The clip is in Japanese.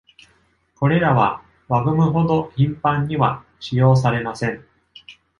これらは、輪ゴムほど頻繁には使用されません。